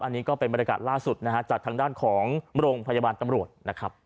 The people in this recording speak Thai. อันนี้ก็เป็นบรรยากาศล่าสุดนะฮะจากทางด้านของโรงพยาบาลตำรวจนะครับ